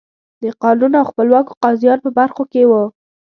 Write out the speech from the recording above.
د قانون او خپلواکو قاضیانو په برخو کې وو.